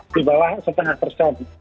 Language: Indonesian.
di bawah setengah persen